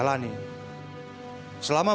woh itu apa